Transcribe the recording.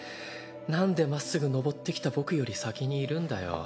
なんでまっすぐ上ってきた僕より先にいるんだよ。